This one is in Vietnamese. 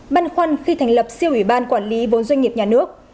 băn khoăn khi thành lập siêu ủy ban quản lý vốn doanh nghiệp nhà nước